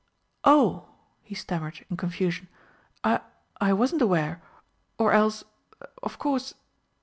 "Oh," he stammered in confusion, "I I wasn't aware or else of course.